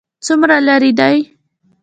څومره لیرې دی؟